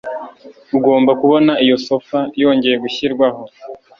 Ugomba kubona iyo sofa yongeye gushyirwaho